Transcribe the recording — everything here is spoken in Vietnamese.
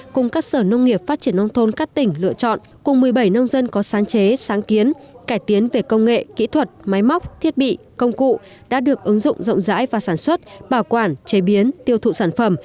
cùng các sở nông nghiệp phát triển nông thôn các tỉnh lựa chọn cùng một mươi bảy nông dân có sáng chế sáng kiến cải tiến về công nghệ kỹ thuật máy móc thiết bị công cụ đã được ứng dụng rộng rãi và sản xuất bảo quản chế biến tiêu thụ sản phẩm